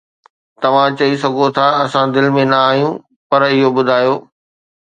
توهان چئي سگهو ٿا: "اسان دل ۾ نه آهيون؟" پر اهو ٻڌايو